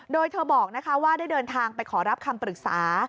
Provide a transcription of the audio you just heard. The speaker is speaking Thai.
โดยเธอบอกว่าได้เดินทางไปขอรับคำปรึกษา